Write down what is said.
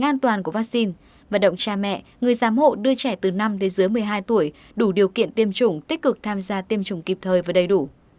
an toàn của vaccine vận động cha mẹ người giám hộ đưa trẻ từ năm đến dưới một mươi hai tuổi đủ điều kiện tiêm chủng tích cực tham gia tiêm chủng kịp thời và đầy đủ